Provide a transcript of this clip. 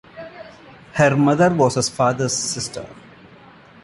Her mother was his father's sister.